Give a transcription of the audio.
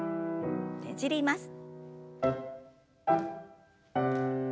ねじります。